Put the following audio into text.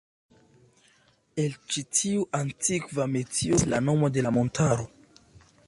El ĉi tiu antikva metio venas la nomo de la montaro.